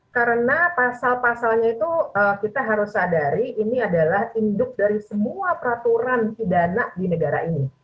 karena pasal pasalnya itu kita harus sadari ini adalah induk dari semua peraturan pidana di negara ini